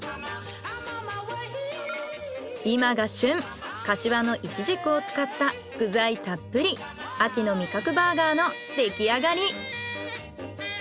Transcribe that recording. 今が旬柏のイチジクを使った具材たっぷり秋の味覚バーガーの出来上がり。